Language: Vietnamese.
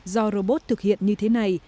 do robot thực hiện như thế này